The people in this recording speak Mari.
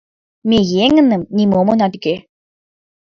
Ме еҥыным нимом она тӱкӧ.